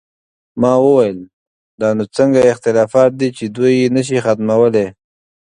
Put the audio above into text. ما وویل: دا نو څنګه اختلافات دي چې دوی یې نه شي ختمولی؟